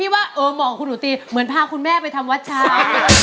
วิ่มครับเหมือนพาคุณแม่ไปทำวัดช้า